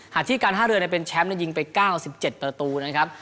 ห้าเรือนเป็นแชมป์ได้ยิงไป๙๗ประตูนะครับ